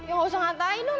yang gak usah ngatain dong